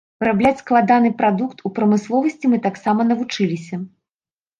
Вырабляць складаны прадукт у прамысловасці мы таксама навучыліся.